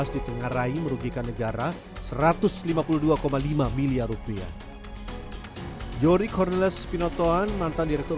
dua ribu sembilan belas di tengah rai merugikan negara satu ratus lima puluh dua lima miliar rupiah jori cornelis pinotohan mantan direktur